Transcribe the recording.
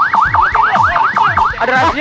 ada raja ada raja